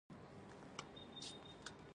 راځئ چې مجلس وکړو.